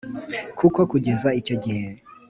kuko kugeza icyo gihe